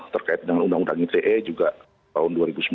terkait dengan undang undang ite juga tahun dua ribu sembilan